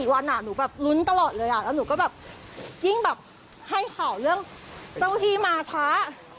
วันหนูแบบลุ้นตลอดเลยแล้วหนูก็แบบยิ่งแบบให้ข่าวเรื่องเจ้าที่มาช้า